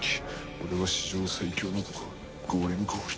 俺は史上最強の男ゴーレム剛力。